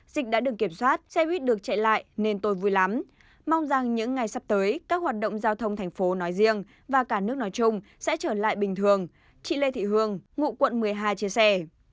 dịch đã được kiểm soát xe buýt được chạy lại nên tôi vui lắm mong rằng những ngày sắp tới các hoạt động giao thông thành phố nói riêng và cả nước nói chung sẽ trở lại bình thường chị lê thị hương ngụ quận một mươi hai chia sẻ